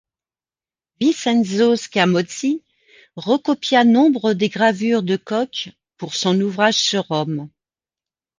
Vincenzo Scamozzi recopia nombre des gravures de Cock pour son ouvrage sur Rome.